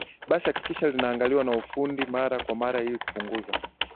basi hakikisha linaangaliwa na fundi mara kwa mara ili kupunguza